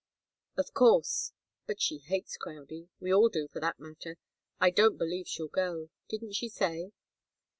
"Of course but she hates Crowdie. We all do, for that matter. I don't believe she'll go. Didn't she say?"